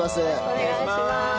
お願いします。